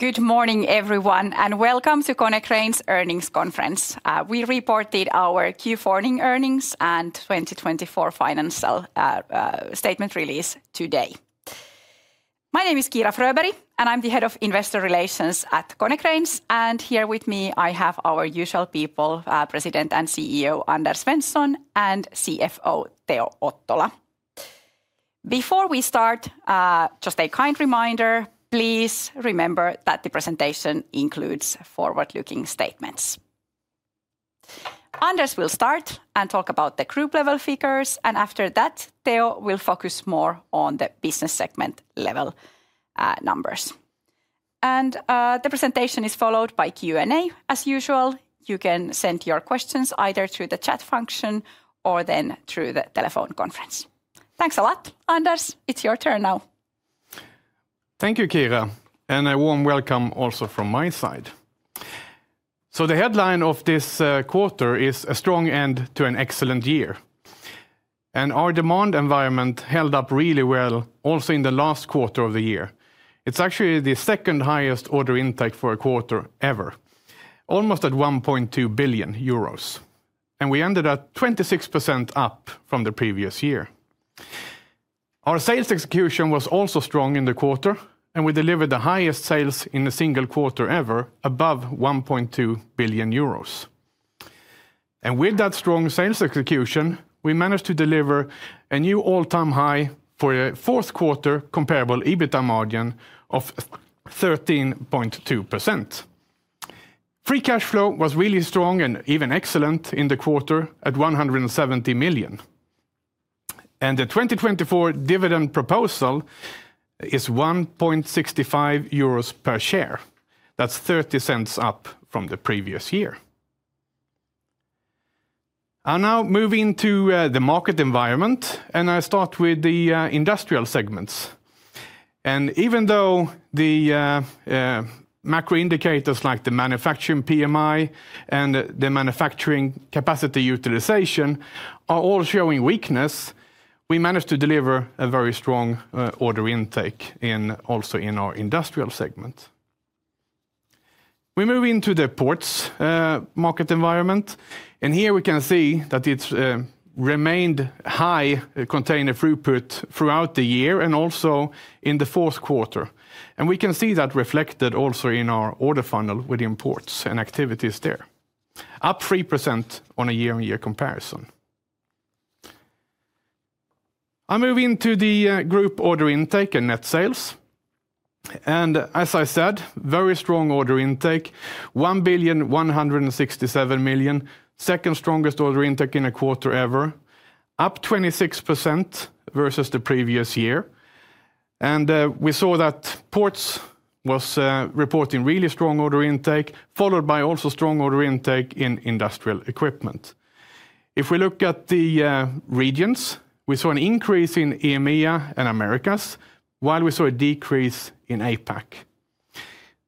Good morning, everyone, and welcome to Konecranes Earnings Conference. We reported our Q4 earnings and 2024 financial statement release today. My name is Kiira Fröberg, and I'm the Head of Investor Relations at Konecranes, and here with me, I have our usual people: President and CEO Anders Svensson and CFO Teo Ottola. Before we start, just a kind reminder: please remember that the presentation includes forward-looking statements. Anders will start and talk about the group-level figures, and after that, Teo will focus more on the business segment level numbers, and the presentation is followed by Q&A, as usual. You can send your questions either through the chat function or then through the telephone conference. Thanks a lot, Anders. It's your turn now. Thank you, Kiira, and a warm welcome also from my side. So the headline of this quarter is "A Strong End to an Excellent Year." And our demand environment held up really well also in the last quarter of the year. It's actually the second highest order intake for a quarter ever, almost at 1.2 billion euros. And we ended up 26% up from the previous year. Our sales execution was also strong in the quarter, and we delivered the highest sales in a single quarter ever, above 1.2 billion euros. And with that strong sales execution, we managed to deliver a new all-time high for a fourth quarter comparable EBITDA margin of 13.2%. Free cash flow was really strong and even excellent in the quarter at 170 million. And the 2024 dividend proposal is 1.65 euros per share. That's 0.30 up from the previous year. I'll now move into the market environment, and I'll start with the industrial segments. Even though the macro indicators like the manufacturing PMI and the manufacturing capacity utilization are all showing weakness, we managed to deliver a very strong order intake also in our industrial segment. We move into the Ports market environment, and here we can see that it's remained high container throughput throughout the year and also in the fourth quarter. We can see that reflected also in our order funnel with imports and activities there, up 3% on a year-on-year comparison. I'll move into the group order intake and net sales. As I said, very strong order intake, 1,167 million, second strongest order intake in a quarter ever, up 26% versus the previous year. We saw that Ports was reporting really strong order intake, followed by also strong order intake in industrial equipment. If we look at the regions, we saw an increase in EMEA and Americas, while we saw a decrease in APAC.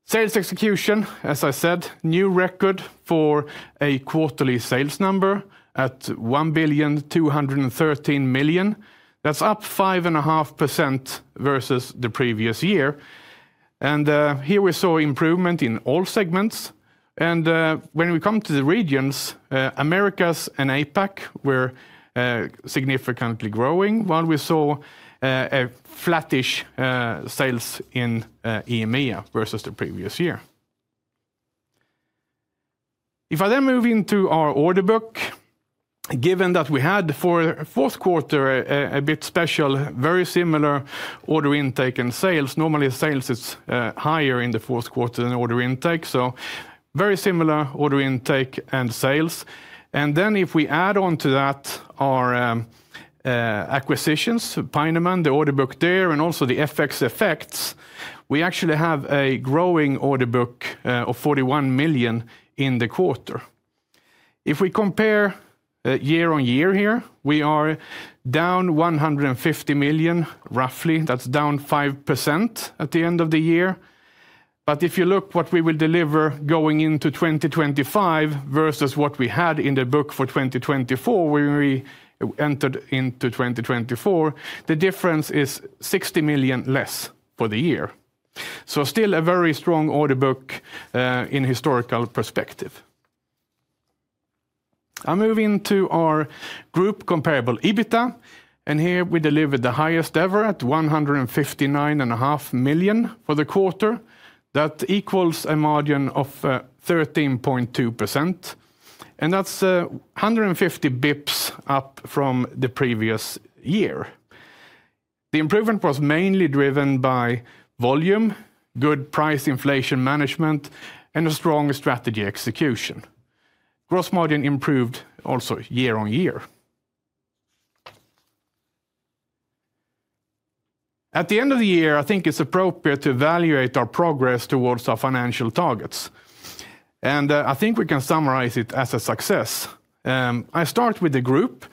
Sales execution, as I said, new record for a quarterly sales number at 1,213 million. That's up 5.5% versus the previous year. Here we saw improvement in all segments. When we come to the regions, Americas and APAC were significantly growing, while we saw a flattish sales in EMEA versus the previous year. If I then move into our order book, given that we had for the fourth quarter a bit special, very similar order intake and sales. Normally, sales is higher in the fourth quarter than order intake. Very similar order intake and sales. And then if we add on to that our acquisitions, Peinemann, the order book there, and also the FX effects, we actually have a growing order book of 41 million in the quarter. If we compare year-on-year here, we are down 150 million, roughly. That's down 5% at the end of the year. But if you look at what we will deliver going into 2025 versus what we had in the book for 2024, when we entered into 2024, the difference is 60 million less for the year. So still a very strong order book in historical perspective. I'll move into our group Comparable EBITA. And here we delivered the highest ever at 159.5 million for the quarter. That equals a margin of 13.2%. And that's 150 basis points up from the previous year. The improvement was mainly driven by volume, good price inflation management, and a strong strategy execution. Gross margin improved also year-on-year. At the end of the year, I think it's appropriate to evaluate our progress towards our financial targets. I think we can summarize it as a success. I start with the group.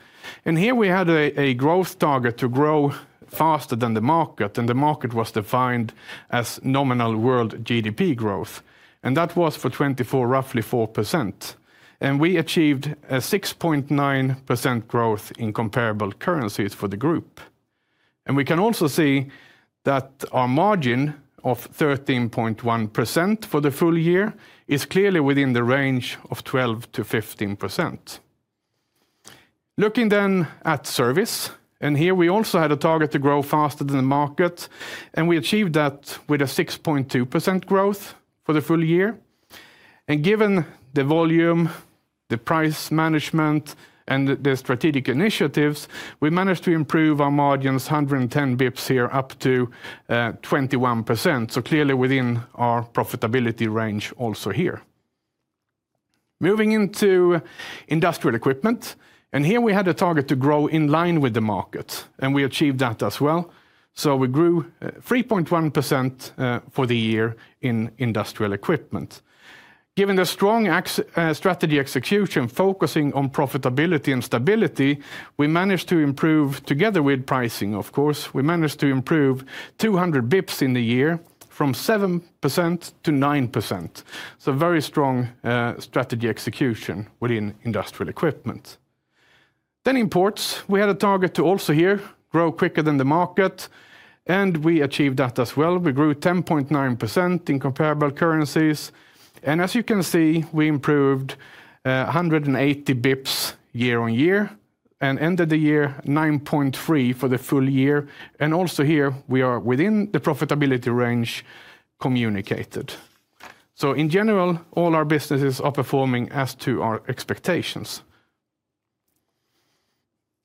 Here we had a growth target to grow faster than the market. The market was defined as nominal world GDP growth. That was for 2024, roughly 4%. We achieved a 6.9% growth in comparable currencies for the group. We can also see that our margin of 13.1% for the full year is clearly within the range of 12% to 15%. Looking then at service. Here we also had a target to grow faster than the market. We achieved that with a 6.2% growth for the full year. And given the volume, the price management, and the strategic initiatives, we managed to improve our margins 110 basis points here up to 21%. So clearly within our profitability range also here. Moving into Industrial Equipment, and here we had a target to grow in line with the market. And we achieved that as well. So we grew 3.1% for the year in Industrial Equipment. Given the strong strategy execution focusing on profitability and stability, we managed to improve together with pricing, of course. We managed to improve 200 basis points in the year from 7% to 9%. So very strong strategy execution within Industrial Equipment. Then in Ports, we had a target to also here grow quicker than the market. And we achieved that as well. We grew 10.9% in comparable currencies. And as you can see, we improved 180 basis points year-on-year. And ended the year 9.3% for the full year. And also here we are within the profitability range communicated. So in general, all our businesses are performing as to our expectations.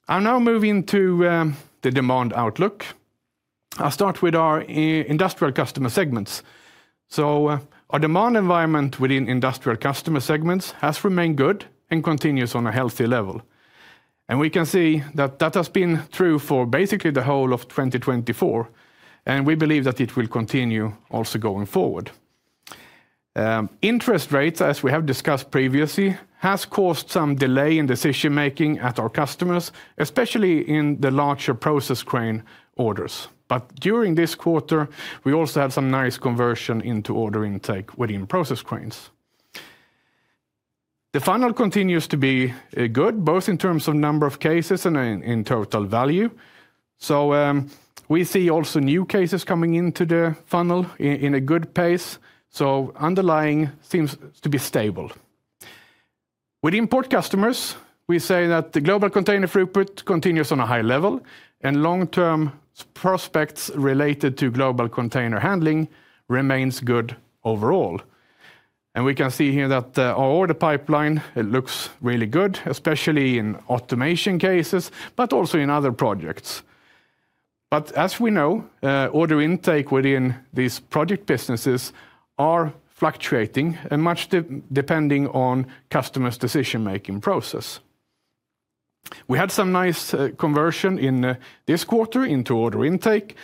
I'll now move into the demand outlook. I'll start with our industrial customer segments. So our demand environment within industrial customer segments has remained good and continues on a healthy level. And we can see that that has been true for basically the whole of 2024. And we believe that it will continue also going forward. Interest rates, as we have discussed previously, has caused some delay in decision-making at our customers, especially in the larger Process Crane orders. But during this quarter, we also had some nice conversion into order intake within Process Cranes. The funnel continues to be good, both in terms of number of cases and in total value. So we see also new cases coming into the funnel in a good pace, so underlying seems to be stable. Within Port customers, we say that the global container throughput continues on a high level. And long-term prospects related to global container handling remains good overall. And we can see here that our order pipeline looks really good, especially in automation cases, but also in other projects. But as we know, order intake within these project businesses are fluctuating and much depending on customers' decision-making process. We had some nice conversion in this quarter into order intake.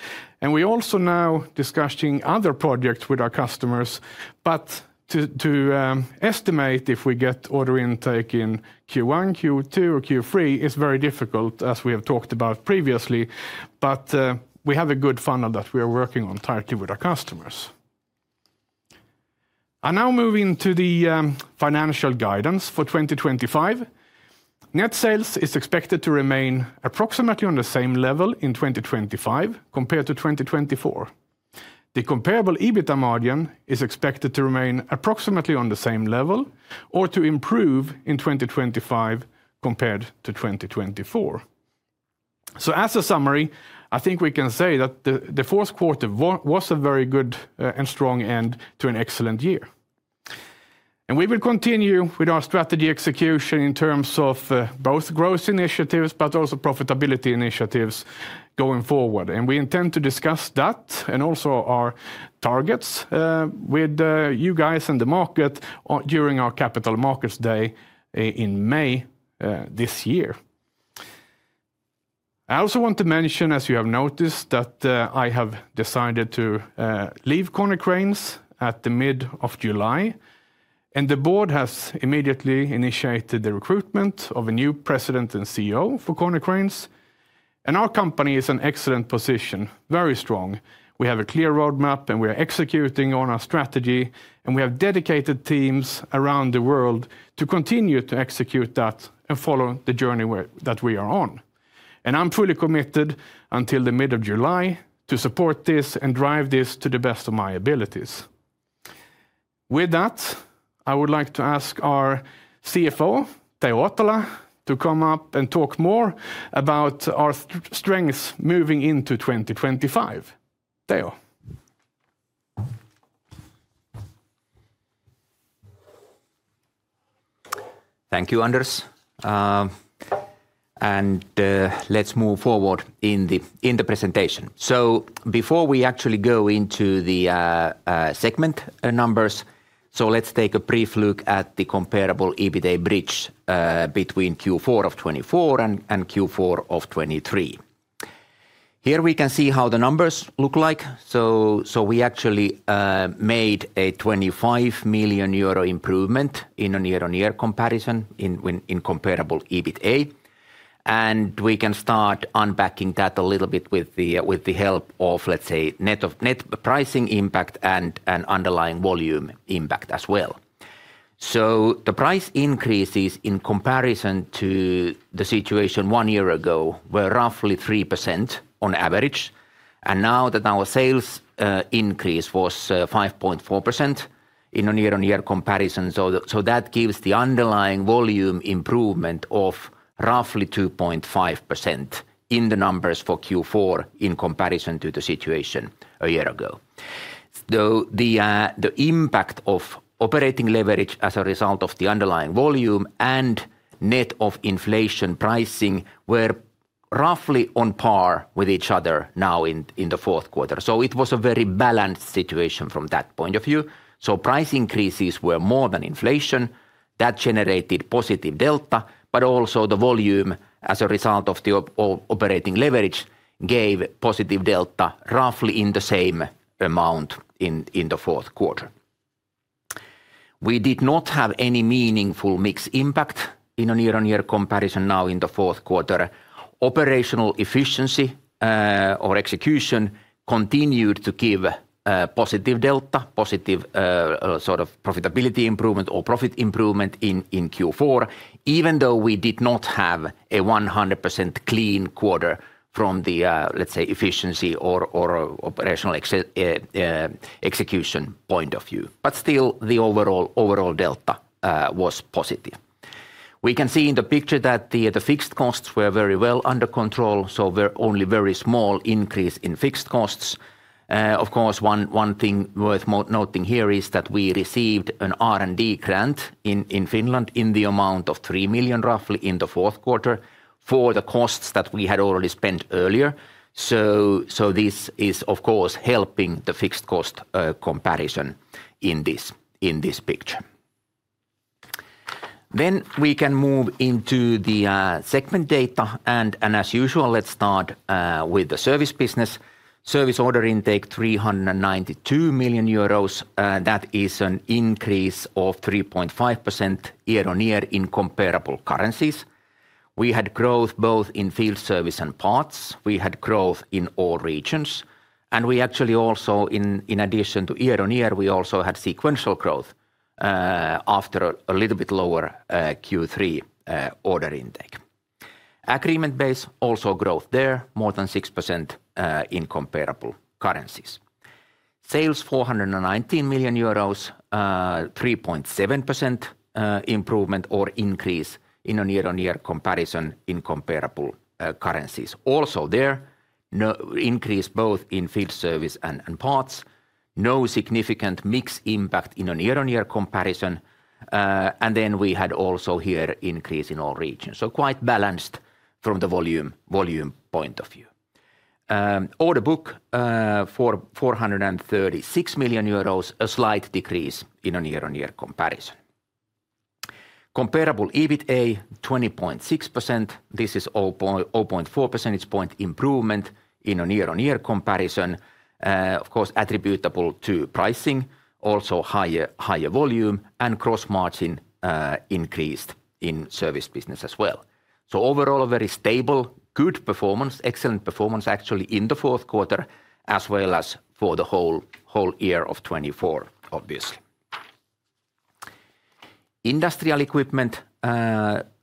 And we are also now discussing other projects with our customers. But to estimate if we get order intake in Q1, Q2, or Q3 is very difficult, as we have talked about previously. But we have a good funnel that we are working on tightly with our customers. I now move into the financial guidance for 2025. Net sales is expected to remain approximately on the same level in 2025 compared to 2024. The comparable EBITA margin is expected to remain approximately on the same level or to improve in 2025 compared to 2024. So as a summary, I think we can say that the fourth quarter was a very good and strong end to an excellent year. And we will continue with our strategy execution in terms of both growth initiatives, but also profitability initiatives going forward. And we intend to discuss that and also our targets with you guys and the market during our Capital Markets Day in May this year. I also want to mention, as you have noticed, that I have decided to leave Konecranes at the mid of July. The board has immediately initiated the recruitment of a new President and CEO for Konecranes. Our company is in an excellent position, very strong. We have a clear roadmap, and we are executing on our strategy. We have dedicated teams around the world to continue to execute that and follow the journey that we are on. I'm fully committed until the mid of July to support this and drive this to the best of my abilities. With that, I would like to ask our CFO, Teo Ottola, to come up and talk more about our strengths moving into 2025. Teo. Thank you, Anders, and let's move forward in the presentation, so before we actually go into the segment numbers, let's take a brief look at the comparable EBITA bridge between Q4 of 2024 and Q4 of 2023. Here we can see how the numbers look like, so we actually made a 25 million euro improvement in a year-on-year comparison in comparable EBITA, and we can start unpacking that a little bit with the help of, let's say, net pricing impact and underlying volume impact as well. So the price increases in comparison to the situation one year ago were roughly 3% on average, and now that our sales increase was 5.4% in a year-on-year comparison, so that gives the underlying volume improvement of roughly 2.5% in the numbers for Q4 in comparison to the situation a year ago. The impact of operating leverage as a result of the underlying volume and net of inflation pricing were roughly on par with each other now in the fourth quarter. So it was a very balanced situation from that point of view. So price increases were more than inflation. That generated positive delta, but also the volume as a result of the operating leverage gave positive delta roughly in the same amount in the fourth quarter. We did not have any meaningful mixed impact in a year-on-year comparison now in the fourth quarter. Operational efficiency or execution continued to give positive delta, positive sort of profitability improvement or profit improvement in Q4, even though we did not have a 100% clean quarter from the, let's say, efficiency or operational execution point of view. But still, the overall delta was positive. We can see in the picture that the fixed costs were very well under control. So there were only a very small increase in fixed costs. Of course, one thing worth noting here is that we received an R&D grant in Finland in the amount of 3 million roughly in the fourth quarter for the costs that we had already spent earlier. So this is, of course, helping the fixed cost comparison in this picture. Then we can move into the segment data. And as usual, let's start with the service business. Service order intake 392 million euros. That is an increase of 3.5% year-on-year in comparable currencies. We had growth both in Field Service and Parts. We had growth in all regions. And we actually also, in addition to year-on-year, we also had sequential growth after a little bit lower Q3 order intake. Agreement-based also growth there, more than 6% in comparable currencies. Sales, EUR 419 million, 3.7% improvement or increase in a year-on-year comparison in comparable currencies. Also there, increase both in Field Service and Parts. No significant mixed impact in a year-on-year comparison. And then we had also here increase in all regions. So quite balanced from the volume point of view. Order book for 436 million euros, a slight decrease in a year-on-year comparison. Comparable EBITA, 20.6%. This is 0.4 percentage point improvement in a year-on-year comparison. Of course, attributable to pricing, also higher volume and gross margin increased in service business as well. So overall, a very stable, good performance, excellent performance actually in the fourth quarter, as well as for the whole year of 2024, obviously. Industrial equipment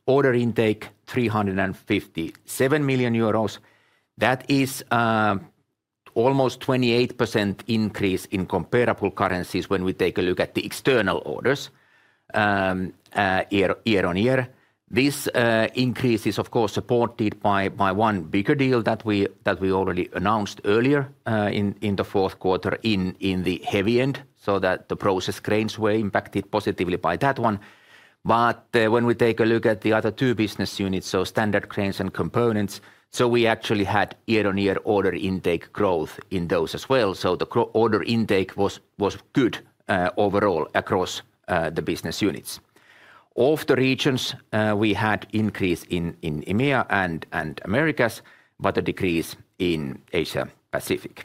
order intake, 357 million euros. That is almost 28% increase in comparable currencies when we take a look at the external orders year-on-year. This increase is, of course, supported by one bigger deal that we already announced earlier in the fourth quarter in the heavy end. So that the Process Cranes were impacted positively by that one. But when we take a look at the other two business units, so Standard Cranes and components, so we actually had year-on-year order intake growth in those as well. So the order intake was good overall across the business units. Of the regions, we had increase in EMEA and Americas, but a decrease in Asia-Pacific.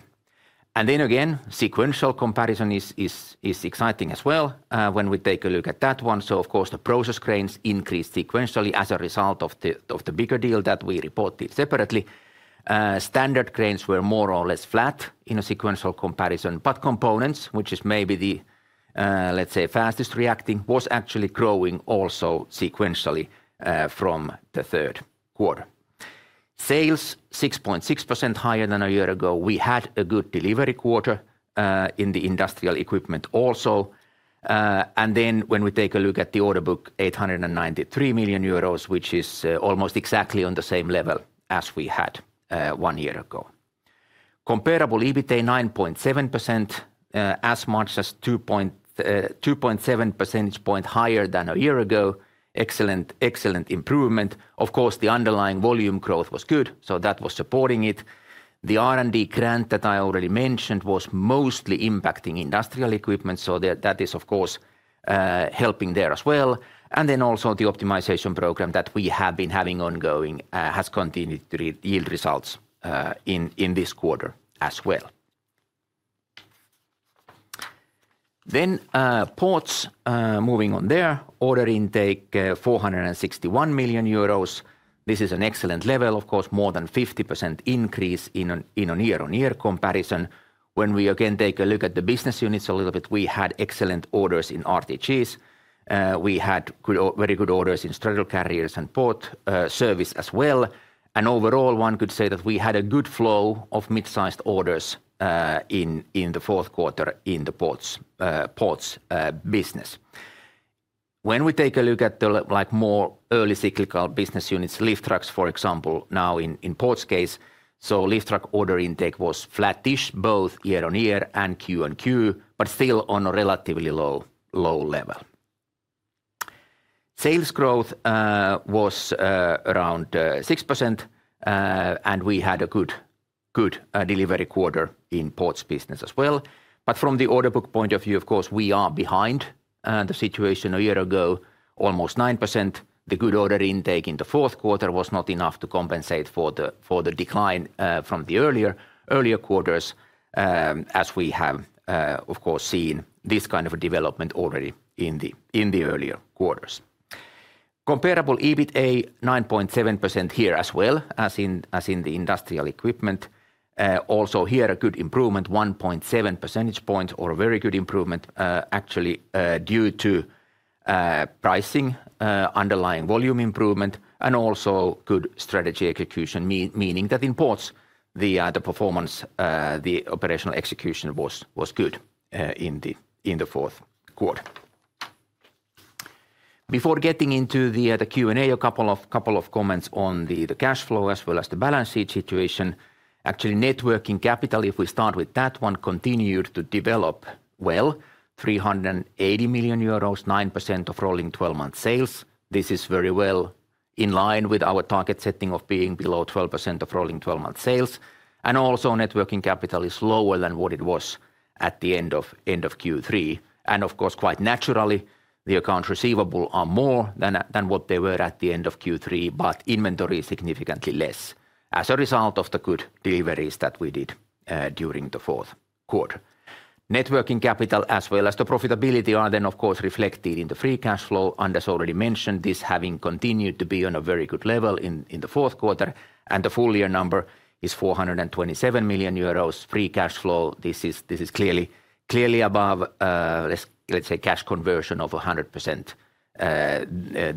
And then again, sequential comparison is exciting as well when we take a look at that one. So of course, the Process Cranes increased sequentially as a result of the bigger deal that we reported separately. Standard cranes were more or less flat in a sequential comparison, but components, which is maybe the, let's say, fastest reacting, was actually growing also sequentially from the third quarter. Sales 6.6% higher than a year ago. We had a good delivery quarter in the industrial equipment also. Then when we take a look at the order book, 893 million euros, which is almost exactly on the same level as we had one year ago. Comparable EBITA 9.7%, as much as 2.7 percentage point higher than a year ago, excellent improvement, of course, the underlying volume growth was good, so that was supporting it. The R&D grant that I already mentioned was mostly impacting Industrial Equipment, so that is, of course, helping there as well. Then also the optimization program that we have been having ongoing has continued to yield results in this quarter as well. Then, Ports. Moving on there, order intake, 461 million euros. This is an excellent level, of course, more than 50% increase in a year-on-year comparison. When we again take a look at the business units a little bit, we had excellent orders in RTGs. We had very good orders in Straddle Carriers and Port Service as well. And overall, one could say that we had a good flow of mid-sized orders in the fourth quarter in the Ports business. When we take a look at the more early cyclical business units, Lift Trucks, for example, now in Ports case, so Lift Truck order intake was flattish both year-on-year and Q-on-Q, but still on a relatively low level. Sales growth was around 6%, and we had a good delivery quarter in Ports business as well. But from the order book point of view, of course, we are behind the situation a year ago, almost 9%. The good order intake in the fourth quarter was not enough to compensate for the decline from the earlier quarters, as we have, of course, seen this kind of development already in the earlier quarters. Comparable EBITA, 9.7% here as well as in the Industrial Equipment. Also here, a good improvement, 1.7 percentage points or a very good improvement actually due to pricing, underlying volume improvement, and also good strategy execution, meaning that in Ports, the performance, the operational execution was good in the fourth quarter. Before getting into the Q&A, a couple of comments on the cash flow as well as the balance sheet situation. Actually, net working capital, if we start with that one, continued to develop well, 380 million euros, 9% of rolling 12-month sales. This is very well in line with our target setting of being below 12% of rolling 12-month sales. And also net working capital is lower than what it was at the end of Q3. And of course, quite naturally, the accounts receivable are more than what they were at the end of Q3, but inventory is significantly less as a result of the good deliveries that we did during the fourth quarter. Net working capital, as well as the profitability, are then, of course, reflected in the free cash flow. Anders already mentioned this having continued to be on a very good level in the fourth quarter. And the full year number is 427 million euros, free cash flow. This is clearly above, let's say, cash conversion of 100%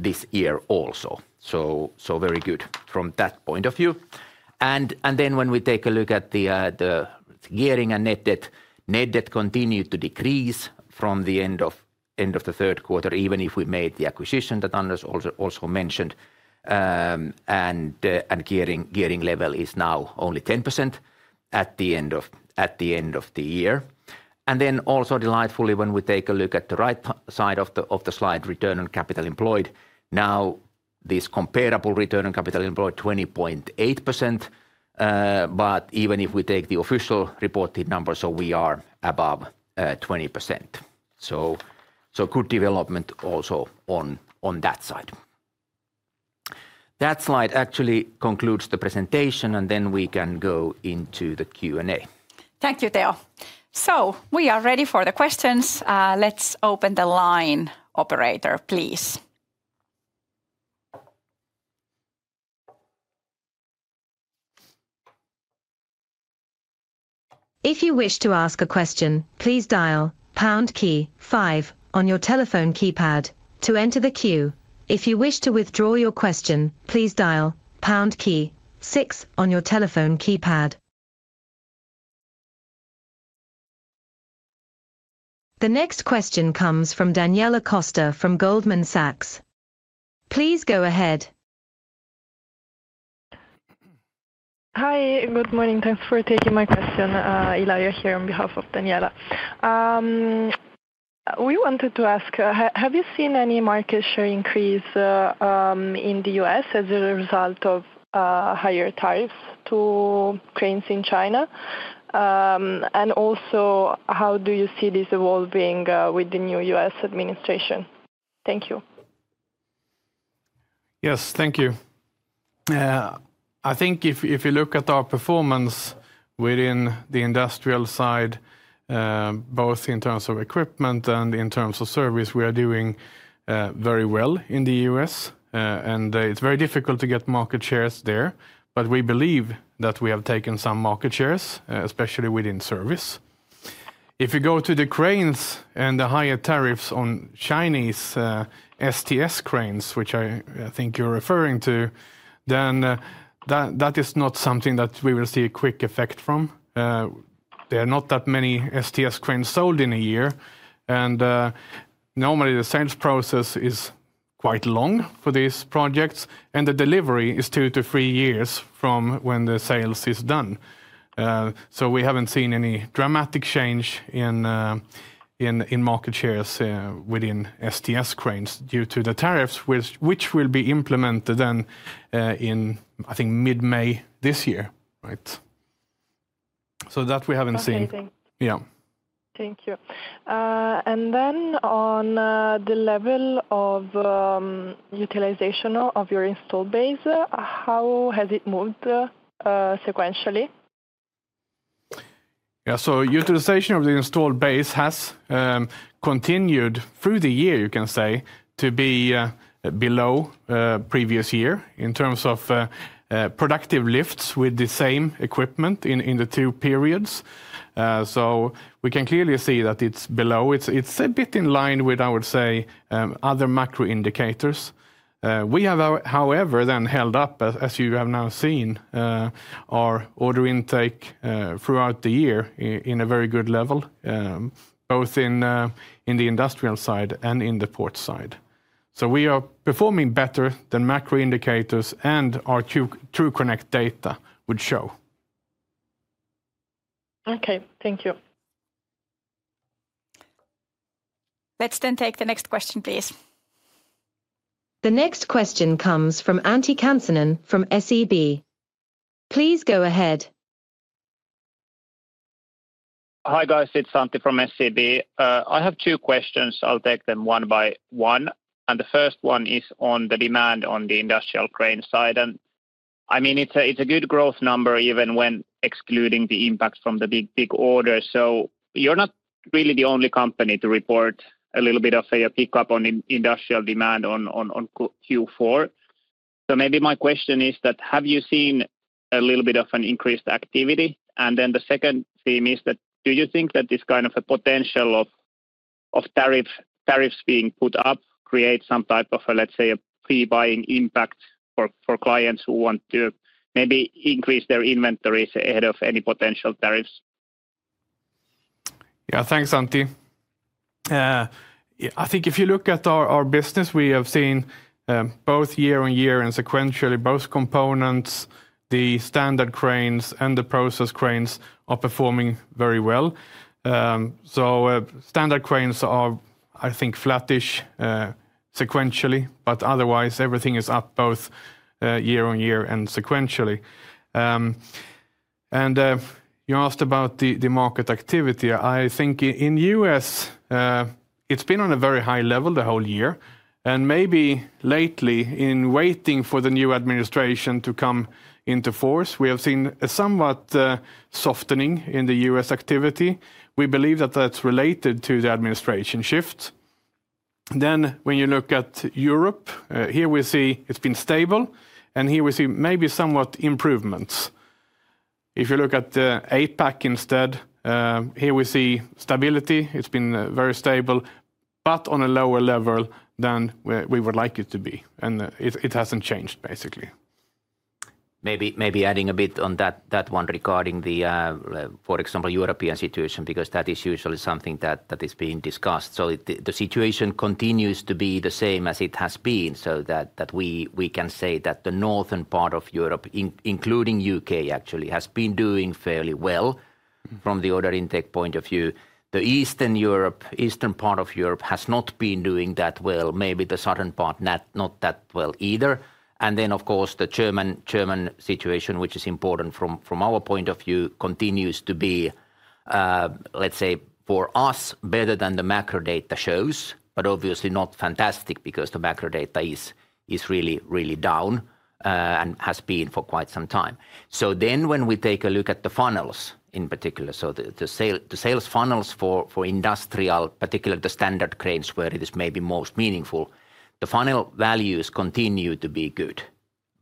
this year also. So very good from that point of view. And then when we take a look at the gearing and net debt, net debt continued to decrease from the end of the third quarter, even if we made the acquisition that Anders also mentioned. And gearing level is now only 10% at the end of the year. And then also delightfully, when we take a look at the right side of the slide, Return on Capital Employed, now this comparable Return on Capital Employed, 20.8%. But even if we take the official reported number, so we are above 20%. So good development also on that side. That slide actually concludes the presentation, and then we can go into the Q&A. Thank you, Teo. So we are ready for the questions. Let's open the line, operator, please. If you wish to ask a question, please dial pound key five on your telephone keypad to enter the queue. If you wish to withdraw your question, please dial pound key six on your telephone keypad. The next question comes from Daniela Costa from Goldman Sachs. Please go ahead. Hi, good morning. Thanks for taking my question. Ilaria here on behalf of Daniela. We wanted to ask, have you seen any market share increase in the U.S. as a result of higher tariffs to cranes in China? And also, how do you see this evolving with the new U.S. administration? Thank you. Yes, thank you. I think if you look at our performance within the industrial side, both in terms of equipment and in terms of service, we are doing very well in the U.S. And it's very difficult to get market shares there, but we believe that we have taken some market shares, especially within service. If you go to the cranes and the higher tariffs on Chinese STS cranes, which I think you're referring to, then that is not something that we will see a quick effect from. There are not that many STS cranes sold in a year. And normally, the sales process is quite long for these projects, and the delivery is two to three years from when the sales is done. We haven't seen any dramatic change in market shares within STS cranes due to the tariffs, which will be implemented then, in, I think, mid-May this year. Thank you. Yeah. Thank you. And then on the level of utilization of your installed base, how has it moved sequentially? Yeah, so utilization of the installed base has continued through the year, you can say, to be below previous year in terms of productive lifts with the same equipment in the two periods. So we can clearly see that it's below. It's a bit in line with, I would say, other macro indicators. We have, however, then held up, as you have now seen, our order intake throughout the year in a very good level, both in the industrial side and in the Port side. So we are performing better than macro indicators and our data would show. Okay, thank you. Let's then take the next question, please. The next question comes from Antti Kansanen from SEB. Please go ahead. Hi guys, it's Antti from SEB. I have two questions. I'll take them one by one. And the first one is on the demand on the industrial crane side. And I mean, it's a good growth number even when excluding the impact from the big orders. So you're not really the only company to report a little bit of a pickup on industrial demand on Q4. So maybe my question is that, have you seen a little bit of an increased activity? And then the second theme is that, do you think that this kind of a potential of tariffs being put up creates some type of a, let's say, a pre-buying impact for clients who want to maybe increase their inventories ahead of any potential tariffs? Yeah, thanks, Antti. I think if you look at our business, we have seen both year-on-year and sequentially, both Components, the Standard Cranes and the Process Cranes are performing very well. So Standard Cranes are, I think, flattish sequentially, but otherwise everything is up both year-on-year and sequentially, and you asked about the market activity. I think in the U.S., it's been on a very high level the whole year, and maybe lately, in waiting for the new administration to come into force, we have seen a somewhat softening in the U.S. activity. We believe that that's related to the administration shift, then when you look at Europe, here we see it's been stable, and here we see maybe somewhat improvements. If you look at the APAC instead, here we see stability. It's been very stable, but on a lower level than we would like it to be, and it hasn't changed, basically. Maybe adding a bit on that one regarding the, for example, European situation, because that is usually something that is being discussed. So the situation continues to be the same as it has been, so that we can say that the Northern part of Europe, including the U.K., actually has been doing fairly well from the order intake point of view. The Eastern Europe, Eastern part of Europe has not been doing that well. Maybe the Southern part, not that well either. And then, of course, the German situation, which is important from our point of view, continues to be, let's say, for us, better than the macro data shows, but obviously not fantastic because the macro data is really down and has been for quite some time. So then when we take a look at the funnels in particular, so the sales funnels for industrial, particularly the Standard Cranes where it is maybe most meaningful, the funnel values continue to be good.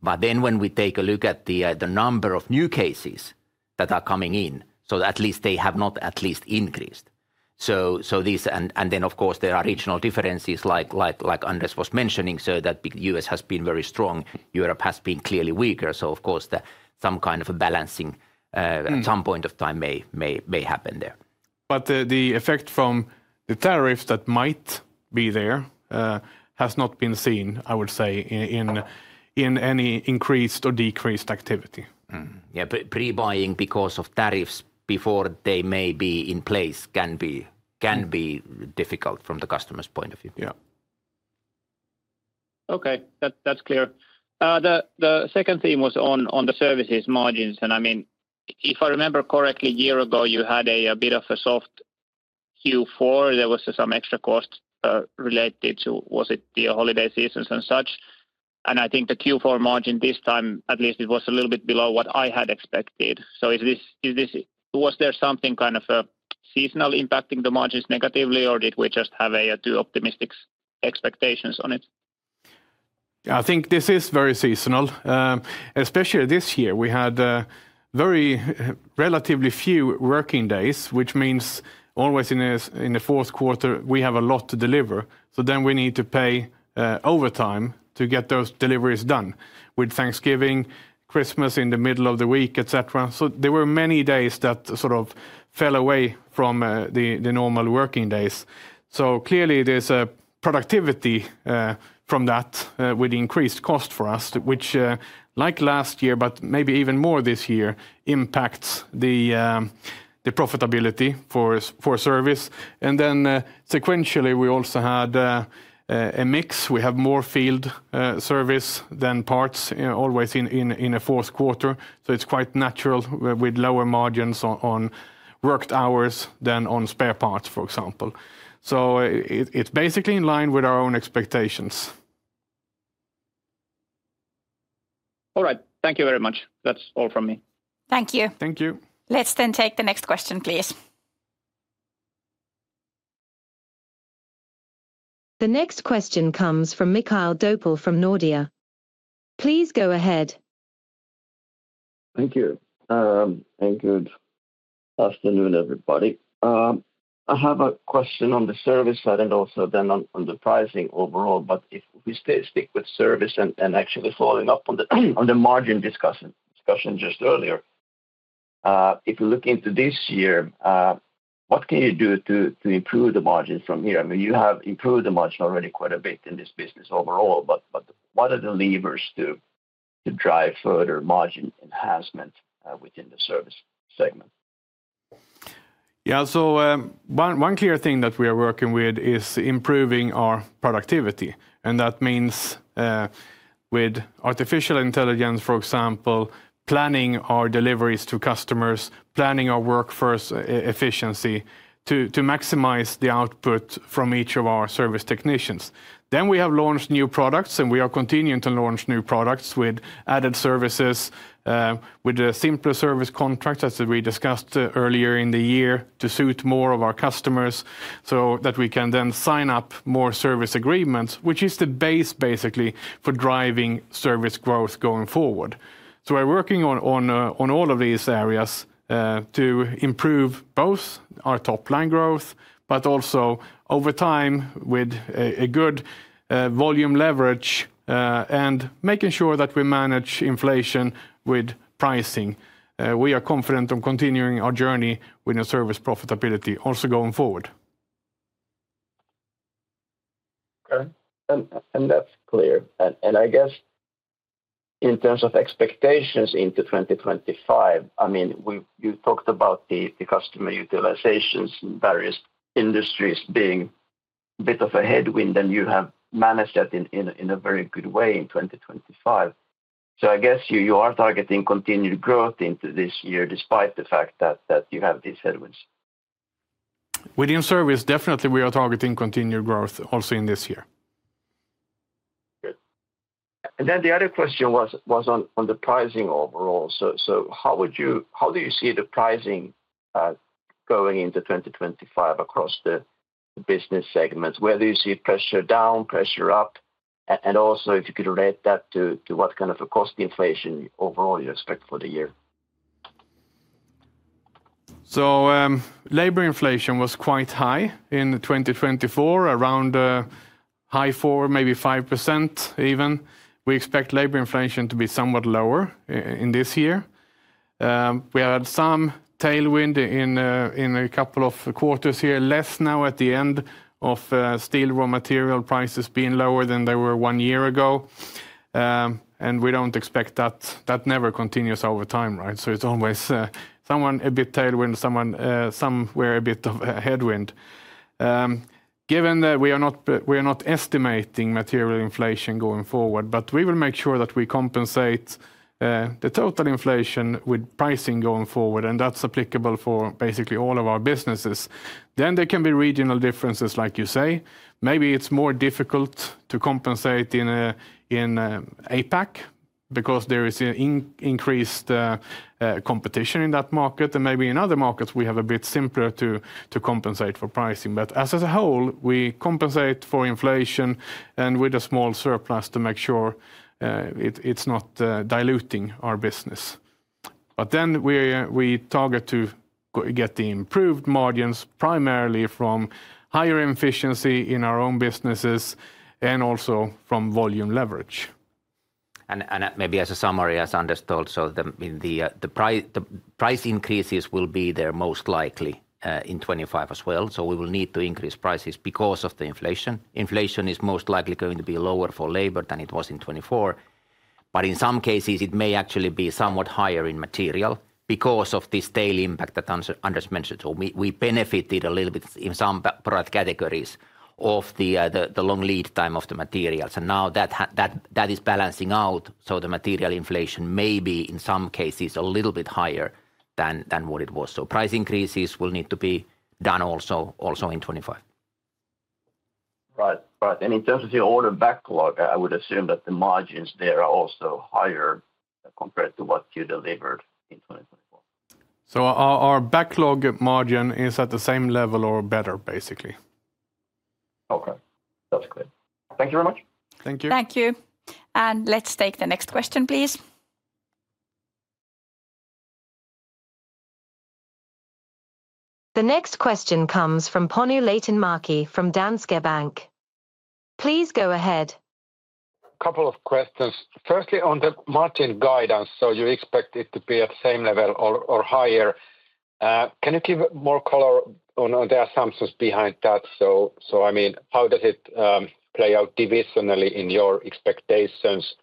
But then when we take a look at the number of new cases that are coming in, so at least they have not increased. And then, of course, there are regional differences like Anders was mentioning, so that the U.S. has been very strong, Europe has been clearly weaker. So, of course, some kind of a balancing at some point of time may happen there. But the effect from the tariffs that might be there has not been seen, I would say, in any increased or decreased activity. Yeah, pre-buying because of tariffs before they may be in place can be difficult from the customer's point of view. Okay, that's clear. The second theme was on the services margins. And I mean, if I remember correctly, a year ago, you had a bit of a soft Q4. There was some extra cost related to, was it the holiday seasons and such? And I think the Q4 margin this time, at least it was a little bit below what I had expected. So was there something kind of seasonal impacting the margins negatively, or did we just have a too optimistic expectations on it? Yeah, I think this is very seasonal. Especially this year, we had very relatively few working days, which means always in the fourth quarter, we have a lot to deliver. So then we need to pay overtime to get those deliveries done with Thanksgiving, Christmas in the middle of the week, etc. So there were many days that sort of fell away from the normal working days. So clearly, there's a productivity from that with increased cost for us, which, like last year, but maybe even more this year, impacts the profitability for service. And then sequentially, we also had a mix. We have more Field Service than Parts always in the fourth quarter. So it's quite natural with lower margins on worked hours than on spare parts, for example. So it's basically in line with our own expectations. All right, thank you very much. That's all from me. Thank you. Thank you. Let's then take the next question, please. The next question comes from Mikael Doepel from Nordea. Please go ahead. Thank you and good afternoon, everybody. I have a question on the service side and also then on the pricing overall, but if we stick with service and actually following up on the margin discussion just earlier, if you look into this year, what can you do to improve the margin from here? I mean, you have improved the margin already quite a bit in this business overall, but what are the levers to drive further margin enhancement within the Service segment? Yeah, so one clear thing that we are working with is improving our productivity. And that means with artificial intelligence, for example, planning our deliveries to customers, planning our workforce efficiency to maximize the output from each of our service technicians. Then we have launched new products, and we are continuing to launch new products with added services, with the simpler service contracts as we discussed earlier in the year to suit more of our customers so that we can then sign up more service agreements, which is the base basically for driving service growth going forward. So we're working on all of these areas to improve both our top line growth, but also over time with a good volume leverage and making sure that we manage inflation with pricing. We are confident on continuing our journey with our service profitability also going forward. Okay, and that's clear, and I guess in terms of expectations into 2025, I mean, you talked about the customer utilizations in various industries being a bit of a headwind, and you have managed that in a very good way in 2025, so I guess you are targeting continued growth into this year despite the fact that you have these headwinds. Within Service, definitely we are targeting continued growth also in this year. Good. And then the other question was on the pricing overall. So how do you see the pricing going into 2025 across the business segments? Where do you see pressure down, pressure up? And also if you could relate that to what kind of a cost inflation overall you expect for the year. Labor inflation was quite high in 2024, around high 4%, maybe 5% even. We expect labor inflation to be somewhat lower in this year. We had some tailwind in a couple of quarters here, less now at the end of steel raw material prices being lower than they were one year ago. And we don't expect that that never continues over time, right? So it's always somewhat a bit tailwind, somewhere a bit of a headwind. Given that we are not estimating material inflation going forward, but we will make sure that we compensate the total inflation with pricing going forward, and that's applicable for basically all of our businesses. Then there can be regional differences, like you say. Maybe it's more difficult to compensate in APAC because there is increased competition in that market. And maybe in other markets, we have a bit simpler to compensate for pricing. But as a whole, we compensate for inflation and with a small surplus to make sure it's not diluting our business. But then we target to get the improved margins primarily from higher efficiency in our own businesses and also from volume leverage. And maybe as a summary, as Anders told, so the price increases will be there most likely in 2025 as well. So we will need to increase prices because of the inflation. Inflation is most likely going to be lower for labor than it was in 2024. But in some cases, it may actually be somewhat higher in material because of this tail impact that Anders mentioned. So we benefited a little bit in some product categories of the long lead time of the materials. And now that is balancing out. So the material inflation may be in some cases a little bit higher than what it was. So price increases will need to be done also in 2025. Right, right. And in terms of your order backlog, I would assume that the margins there are also higher compared to what you delivered in 2024. Our backlog margin is at the same level or better, basically. Okay, that's clear. Thank you very much. Thank you. Thank you. And let's take the next question, please. The next question comes from Panu Laitinmäki from Danske Bank. Please go ahead. A couple of questions. Firstly, on the margin guidance, so you expect it to be at the same level or higher. Can you give more color on the assumptions behind that? So I mean, how does it play out divisionally in your expectations?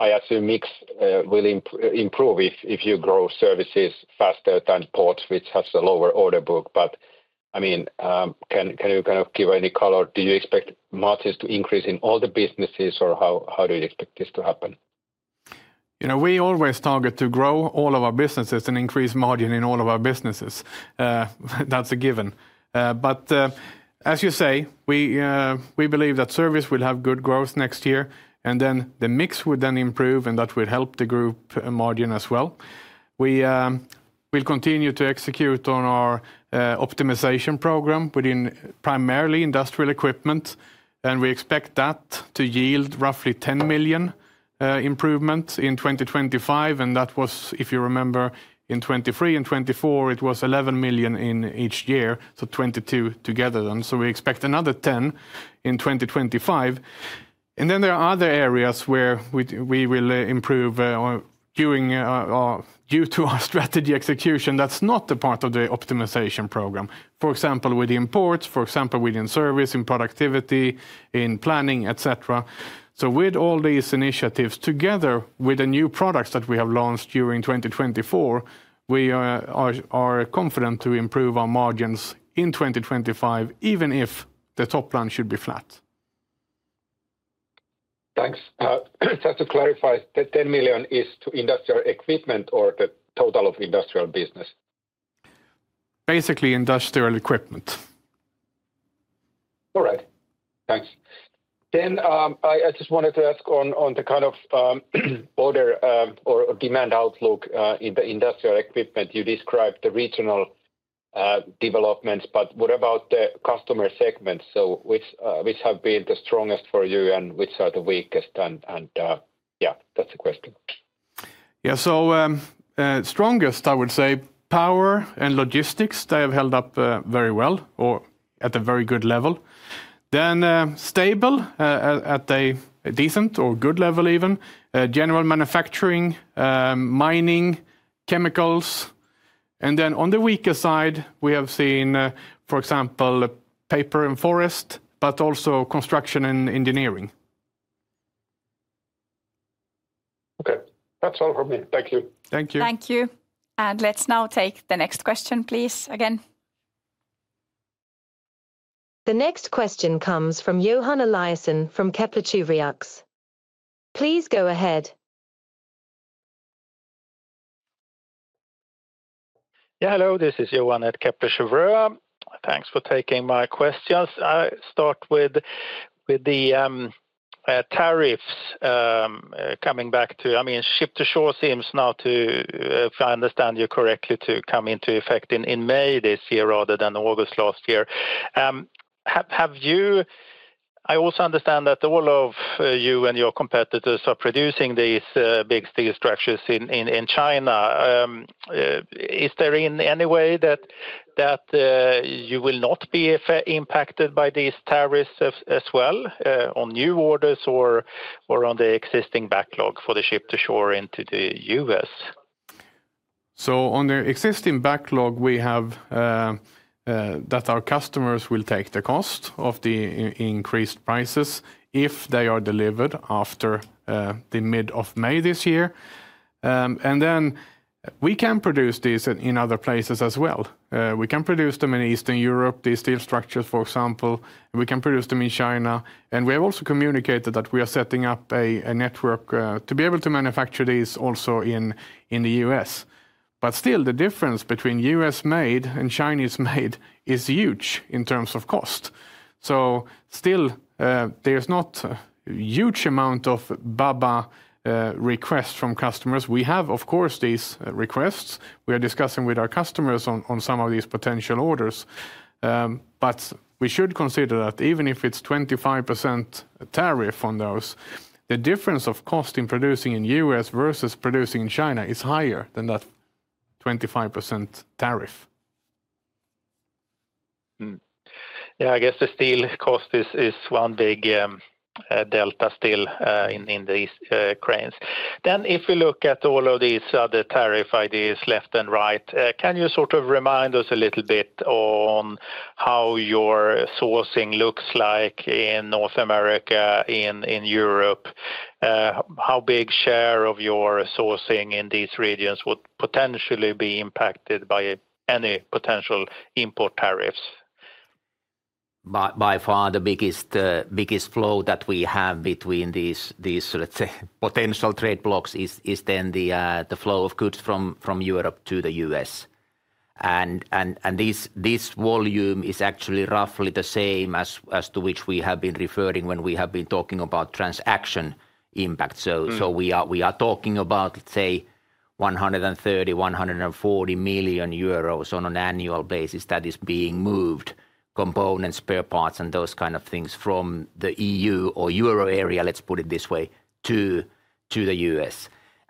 I assume mix will improve if you grow services faster than Ports, which has a lower order book. But I mean, can you kind of give any color? Do you expect margins to increase in all the businesses, or how do you expect this to happen? You know, we always target to grow all of our businesses and increase margin in all of our businesses. That's a given. But as you say, we believe that service will have good growth next year, and then the mix would then improve, and that would help the group margin as well. We will continue to execute on our optimization program within primarily Industrial Equipment, and we expect that to yield roughly 10 million improvements in 2025, and that was, if you remember, in 2023 and 2024, it was 11 million in each year, so 22 million together, and so we expect another 10 million in 2025. And then there are other areas where we will improve due to our strategy execution that's not a part of the optimization program. For example, within Ports, for example, within service, in productivity, in planning, etc. So with all these initiatives together with the new products that we have launched during 2024, we are confident to improve our margins in 2025, even if the top line should be flat. Thanks. Just to clarify, 10 million is to Industrial Equipment or the total of industrial business? Basically, Industrial Equipment. All right, thanks. Then I just wanted to ask on the kind of order or demand outlook in the industrial equipment. You described the regional developments, but what about the customer segments? So which have been the strongest for you and which are the weakest? And yeah, that's the question. Yeah, so strongest, I would say, power and logistics. They have held up very well or at a very good level, then stable at a decent or good level even, general manufacturing, mining, chemicals, and then on the weaker side, we have seen, for example, paper and forest, but also construction and engineering. Okay, that's all from me. Thank you. Thank you. Thank you. And let's now take the next question, please, again. The next question comes from Johan Eliason from Kepler Cheuvreux. Please go ahead. Yeah, hello, this is Johan at Kepler Cheuvreux. Thanks for taking my questions. I start with the tariffs coming back to, I mean, to shore seems now to, if I understand you correctly, to come into effect in May this year rather than August last year. I also understand that all of you and your competitors are producing these big steel structures in China. Is there in any way that you will not be impacted by these tariffs as well on new orders or on the existing backlog for the Ship-to-Shore into the U.S.? So on the existing backlog, we have that our customers will take the cost of the increased prices if they are delivered after the mid of May this year. And then we can produce these in other places as well. We can produce them in Eastern Europe, these steel structures, for example. We can produce them in China. And we have also communicated that we are setting up a network to be able to manufacture these also in the U.S. But still, the difference between U.S. made and Chinese made is huge in terms of cost. So still, there's not a huge amount of BABA requests from customers. We have, of course, these requests. We are discussing with our customers on some of these potential orders. But we should consider that even if it's 25% tariff on those, the difference of cost in producing in the U.S. versus producing in China is higher than that 25% tariff. Yeah, I guess the steel cost is one big delta still in these cranes. Then if we look at all of these other tariff ideas left and right, can you sort of remind us a little bit on how your sourcing looks like in North America, in Europe? How big a share of your sourcing in these regions would potentially be impacted by any potential import tariffs? By far, the biggest flow that we have between these, let's say, potential trade blocks is then the flow of goods from Europe to the U.S. And this volume is actually roughly the same as to which we have been referring when we have been talking about transaction impact. So we are talking about, let's say, EUR 130million-140 million on an annual basis that is being moved, components, spare parts, and those kinds of things from the E.U. or Euro area, let's put it this way, to the U.S.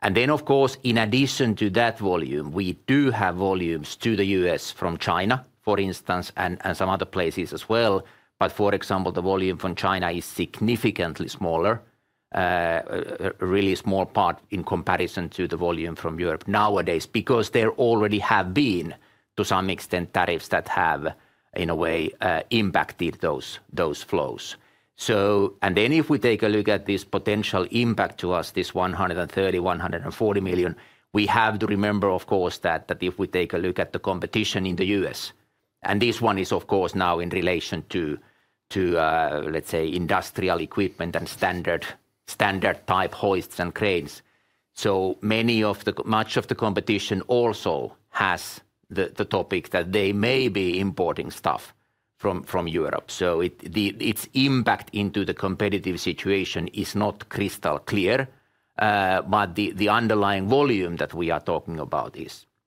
And then, of course, in addition to that volume, we do have volumes to the U.S. from China, for instance, and some other places as well. But for example, the volume from China is significantly smaller, a really small part in comparison to the volume from Europe nowadays, because there already have been, to some extent, tariffs that have, in a way, impacted those flows. And then if we take a look at this potential impact to us, 130 million-140 million, we have to remember, of course, that if we take a look at the competition in the U.S., and this one is, of course, now in relation to, let's say, Industrial Equipment and standard-type hoists and cranes. So much of the competition also has the topic that they may be importing stuff from Europe. So its impact into the competitive situation is not crystal clear, but the underlying volume that we are talking about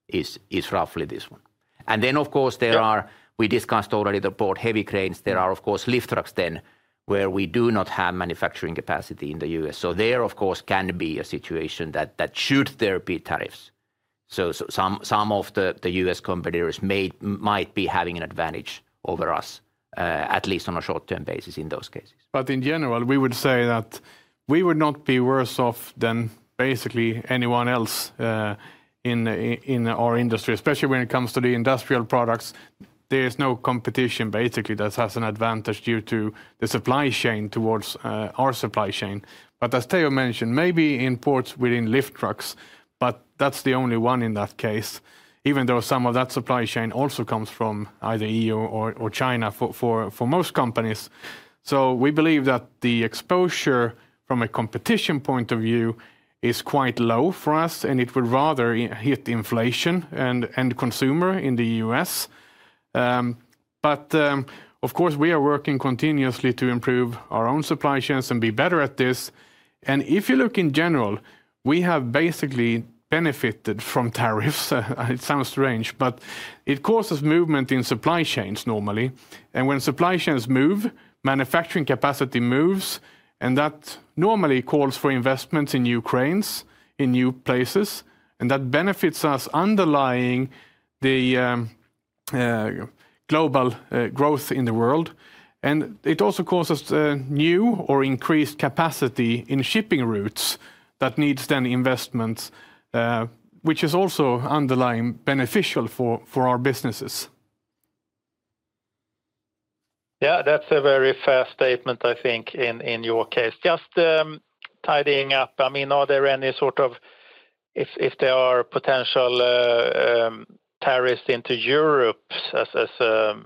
is roughly this one. And then, of course, there are, we discussed already the port heavy cranes. There are, of course, Lift Trucks then where we do not have manufacturing capacity in the U.S. So there, of course, can be a situation that should there be tariffs. So some of the U.S. competitors might be having an advantage over us, at least on a short-term basis in those cases. But in general, we would say that we would not be worse off than basically anyone else in our industry, especially when it comes to the industrial products. There is no competition basically that has an advantage due to the supply chain towards our supply chain. But as Teo mentioned, maybe in Ports within Lift Trucks, but that's the only one in that case, even though some of that supply chain also comes from either EU or China for most companies. So we believe that the exposure from a competition point of view is quite low for us, and it would rather hit inflation and consumers in the U.S. But of course, we are working continuously to improve our own supply chains and be better at this. And if you look in general, we have basically benefited from tariffs. It sounds strange, but it causes movement in supply chains normally. And when supply chains move, manufacturing capacity moves, and that normally calls for investments in new cranes, in new places, and that benefits us underlying the global growth in the world. And it also causes new or increased capacity in shipping routes that needs then investments, which is also underlying beneficial for our businesses. Yeah, that's a very fair statement, I think, in your case. Just tidying up, I mean, are there any sort of, if there are potential tariffs into Europe as a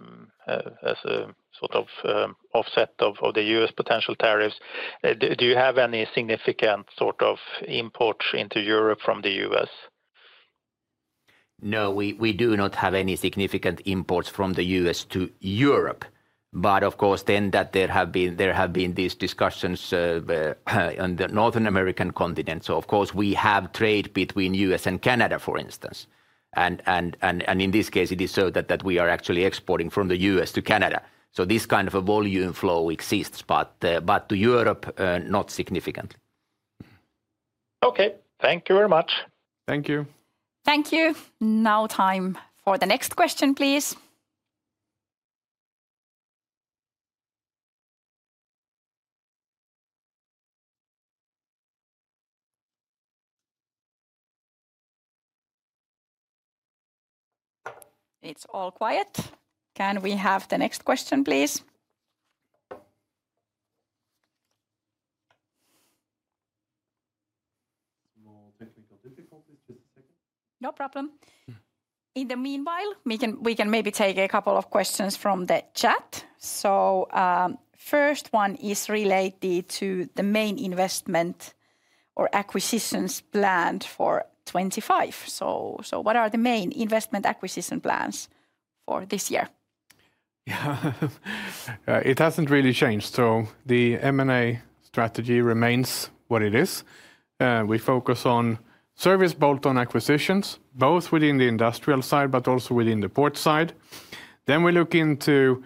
sort of offset of the U.S. potential tariffs, do you have any significant sort of imports into Europe from the U.S.? No, we do not have any significant imports from the U.S. to Europe. But of course, then that there have been these discussions on the Northern American continent. So of course, we have trade between the U.S. and Canada, for instance. And in this case, it is so that we are actually exporting from the U.S. to Canada. So this kind of a volume flow exists, but to Europe, not significantly. Okay, thank you very much. Thank you. Thank you. Now time for the next question, please. It's all quiet. Can we have the next question, please? Small technical difficulties, just a second. No problem. In the meanwhile, we can maybe take a couple of questions from the chat. So first one is related to the main investment or acquisitions planned for 2025. So what are the main investment acquisition plans for this year? Yeah, it hasn't really changed. So the M&A strategy remains what it is. We focus on service bolt-on acquisitions, both within the industrial side, but also within the port side. Then we look into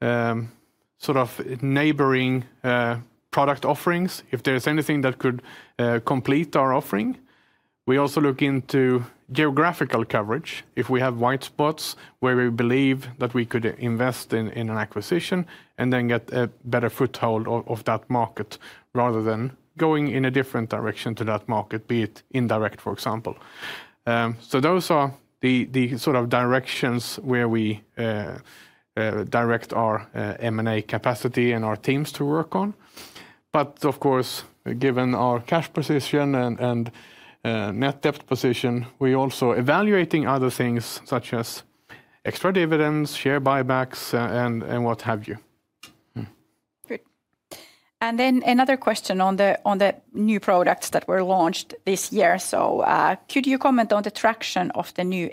sort of neighboring product offerings, if there's anything that could complete our offering. We also look into geographical coverage, if we have white spots where we believe that we could invest in an acquisition and then get a better foothold of that market rather than going in a different direction to that market, be it indirect, for example. So those are the sort of directions where we direct our M&A capacity and our teams to work on. But of course, given our cash position and net debt position, we are also evaluating other things such as extra dividends, share buybacks, and what have you. Good. And then another question on the new products that were launched this year. So could you comment on the traction of the new?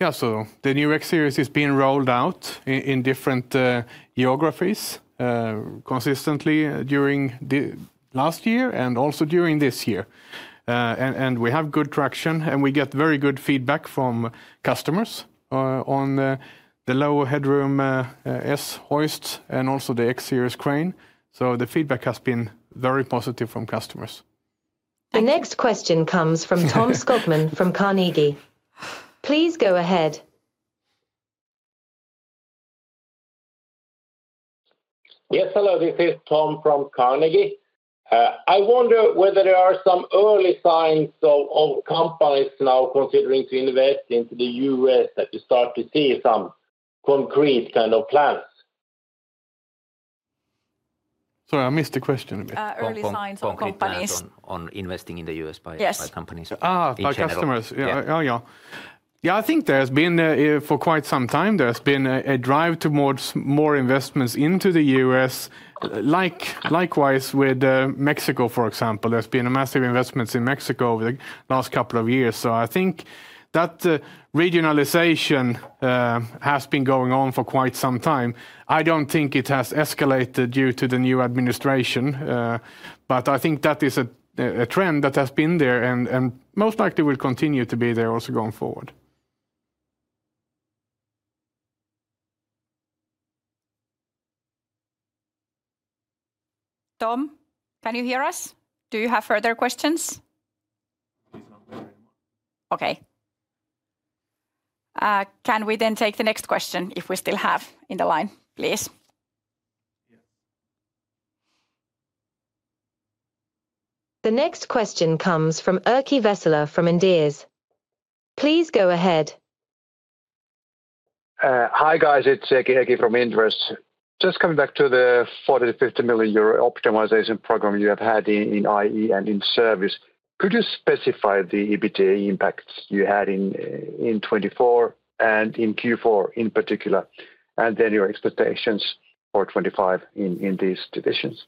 Yeah, so the new X-series is being rolled out in different geographies consistently during last year and also during this year. And we have good traction, and we get very good feedback from customers on the lower headroom S-series and also the X-series crane. So the feedback has been very positive from customers. The next question comes from Tom Skogman from Carnegie. Please go ahead. Yes, hello, this is Tom from Carnegie. I wonder whether there are some early signs of companies now considering to invest into the U.S. that you start to see some concrete kind of plans? Sorry, I missed the question. Early signs of companies. On investing in the U.S. by companies. by customers. Yeah, yeah. Yeah, I think there has been for quite some time, there has been a drive towards more investments into the U.S. Likewise, with Mexico, for example, there's been a massive investment in Mexico over the last couple of years. So I think that regionalization has been going on for quite some time. I don't think it has escalated due to the new administration, but I think that is a trend that has been there and most likely will continue to be there also going forward. Tom, can you hear us? Do you have further questions? Please not worry anymore. Okay. Can we then take the next question if we still have in the line, please? The next question comes from Erkki Vesola from Inderes. Please go ahead. Hi guys, it's Erkki Vesola from Inderes. Just coming back to the 40- 50 million euro optimization program you have had in IE and in Service. Could you specify the EBITDA impacts you had in 2024 and in Q4 in particular, and then your expectations for 2025 in these divisions?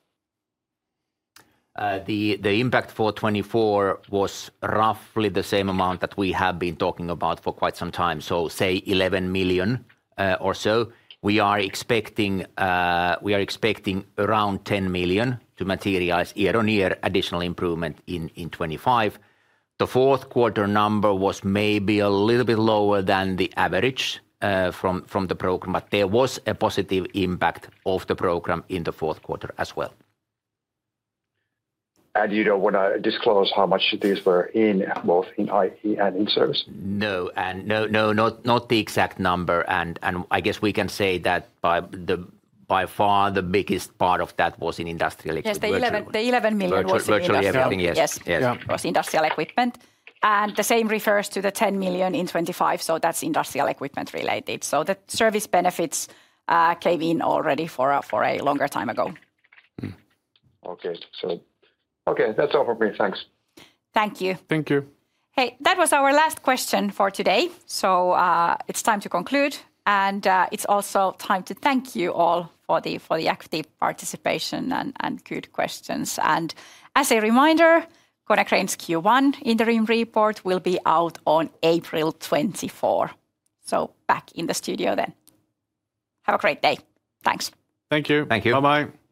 The impact for 2024 was roughly the same amount that we have been talking about for quite some time. So say 11 million or so. We are expecting around 10 million to materialize year-on-year additional improvement in 2025. The fourth quarter number was maybe a little bit lower than the average from the program, but there was a positive impact of the program in the fourth quarter as well. And you don't want to disclose how much these were in both IE and in Service? No, not the exact number, and I guess we can say that by far the biggest part of that was in Industrial Equipment. Yes, the 11 million was. Virtually everything, yes. Yes, it was Industrial Equipment. And the same refers to the 10 million in 2025. So that's Industrial Equipment related. So the Service benefits came in already for a longer time ago. Okay, so that's all from me. Thanks. Thank you. Thank you. Hey, that was our last question for today. So it's time to conclude. And it's also time to thank you all for the active participation and good questions. And as a reminder, Konecranes Q1 Interim Report will be out on April 24. So back in the studio then. Have a great day. Thanks. Thank you. Thank you. Bye-bye.